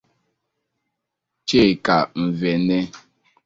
Chika Nvene